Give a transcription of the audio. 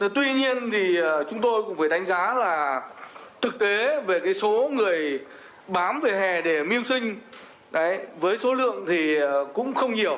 tuy nhiên thì chúng tôi cũng phải đánh giá là thực tế về số người bám về hè để mưu sinh với số lượng thì cũng không nhiều